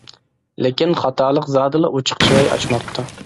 لېكىن خاتالىق زادىلا ئۇچۇق چىراي ئاچماپتۇ.